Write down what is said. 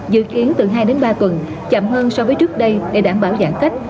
dự kiến từ hai đến ba tuần chậm hơn so với trước đây để đảm bảo giãn cách